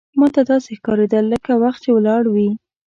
ماته داسې ښکارېدل لکه وخت چې ولاړ وي.